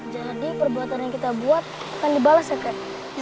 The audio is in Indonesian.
jadi perbuatan yang kita buat akan dibalas ya kak